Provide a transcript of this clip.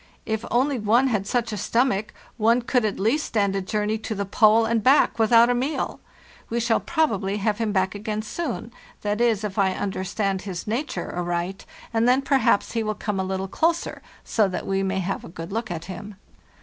If only one had such a stomach one could at least stand a journey to the Pole and back without a meal. We shall probably ,|have him back again soon—that is, if I un derstand his nature aright—and then perhaps he will come a little closer, so that we may have a good look at him."